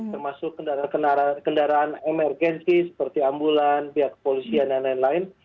termasuk kendaraan emergensi seperti ambulan pihak kepolisian dan lain lain